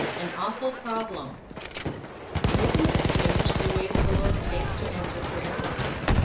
"AN AWFUL PROBLEM" Isn't it strange, the ways the Lord takes to answer prayers?